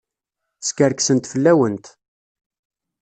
Skerksent fell-awent.